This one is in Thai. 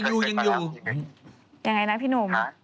อยู่ยังไงคะพี่หนุ่ม